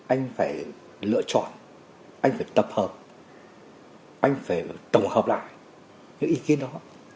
anh phải lựa chọn anh phải tập hợp anh phải tổng hợp lại cái ý kiến đó